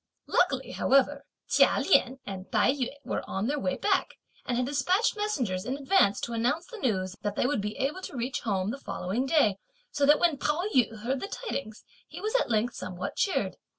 Luckily, however, Chia Lien and Tai yü were on their way back, and had despatched messengers, in advance, to announce the news that they would be able to reach home the following day, so that when Pao yü heard the tidings, he was at length somewhat cheered.